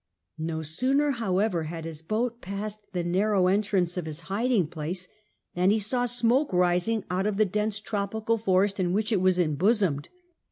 No sooner, however, had his boat passed the narrow entrance of his hiding place, than he saw smoke rising out of the dense tropical forest in which it was embosomed.